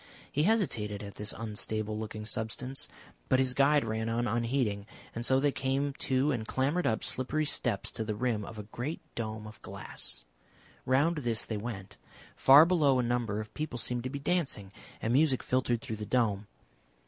He hesitated at this unstable looking substance, but his guide ran on unheeding, and so they came to and clambered up slippery steps to the rim of a great dome of glass. Round this they went. Far below a number of people seemed to be dancing, and music filtered through the dome....